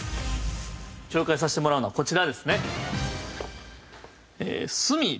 紹介させてもらうのはこちらですね。